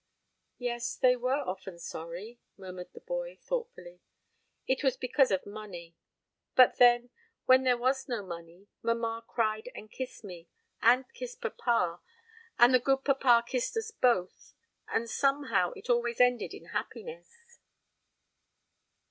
"Yes, they were often sorry," murmured the boy thoughtfully. "It was because of money; but then, when there was no money, mamma cried and kissed me, and kissed papa, and the good papa kissed us both, and somehow it always ended in happiness."